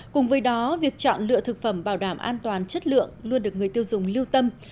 cùng với đó việc chọn lựa thực phẩm bảo đảm an toàn chất lượng luôn được người tiêu dùng lưu tâm